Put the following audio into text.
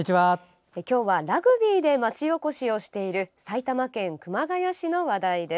今日はラグビーで町おこしをしている埼玉県熊谷市の話題です。